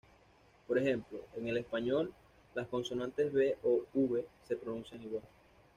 Por ejemplo, en el español las consonantes "b" o "v" se pronuncian igual.